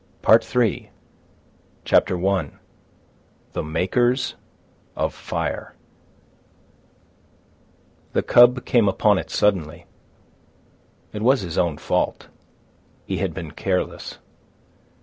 PART III CHAPTER I THE MAKERS OF FIRE The cub came upon it suddenly. It was his own fault. He had been careless.